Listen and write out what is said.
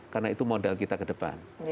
karena itu modal kita ke depan